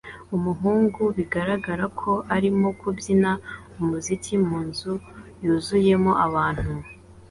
Umuhungu bigaragara ko arimo kubyina umuziki munzu yuzuyemo abantu